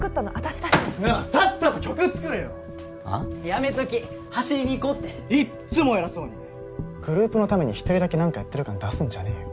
やめとき走りに行こうっていっつも偉そうにグループのために一人だけ何かやってる感出すんじゃねえよ